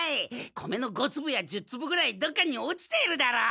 米の５つぶや１０つぶぐらいどっかに落ちているだろう。